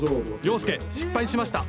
洋輔失敗しました！